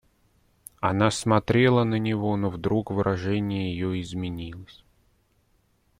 Она смотрела на него, но вдруг выражение ее изменилось.